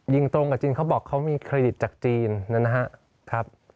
ตรงกับจีนเขาบอกเขามีเครดิตจากจีนนะครับ